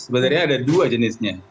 sebenarnya ada dua jenisnya